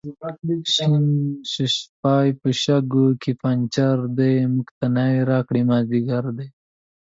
شین ششپای په شګو کې پنچر دی، موږ ته ناوې راکئ مازدیګر دی